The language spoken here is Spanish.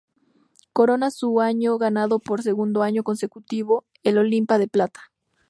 Corona su año ganando por segundo año consecutivo el Olimpia de Plata.